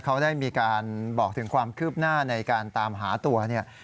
เขาได้มีการบอกถึงความคืบหน้าในการตามหาตัวเนี่ย